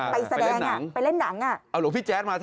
ไปเล่นหนังไปเล่นหนังอ่ะ